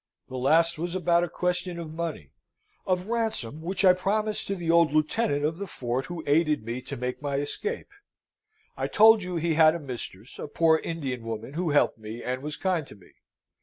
"The last was about a question of money of ransom which I promised to the old lieutenant of the fort who aided me to make my escape. I told you he had a mistress, a poor Indian woman, who helped me, and was kind to me.